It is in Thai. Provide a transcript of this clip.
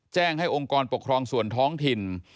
แจ้งให้องค์กรปกครองส่วนท้องถิ่น